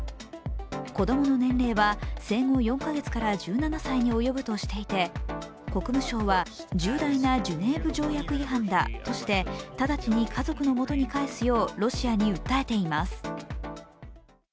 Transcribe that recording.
子供の年齢は生後４か月から１７歳に及ぶとしていて国務省は重大なジュネーブ条約違反だとして直ちに家族の元に帰すようロシアに訴えています。